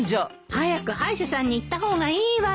早く歯医者さんに行った方がいいわよ。